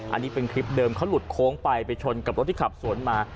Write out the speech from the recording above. อันนี้เป็นคลิปเดิมเขาหลุดโค้งไปไปชนกับรถที่ขับสวนมา